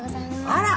あら！